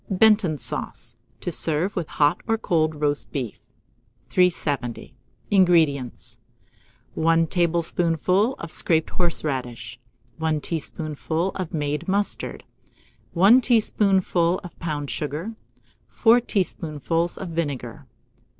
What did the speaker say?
BENTON SAUCE (to serve with Hot or Cold Roast Beef). 370. INGREDIENTS. 1 tablespoonful of scraped horseradish, 1 teaspoonful of made mustard, 1 teaspoonful of pounded sugar, 4 tablespoonfuls of vinegar.